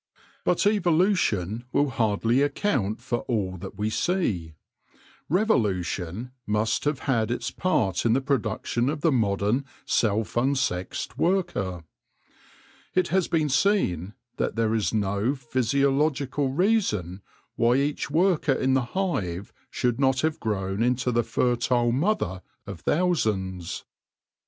But evolution will hardly account for all that we see : revolution must have had its part in the production of the modern self unsexed worker. It has been seen that there is no physiological reason why each worker in the hive should not have grown into the fertile mother of thousands.